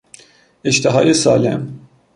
اشتهای سالم